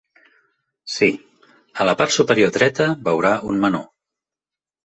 Sí, a la part superior dreta veurà un menú.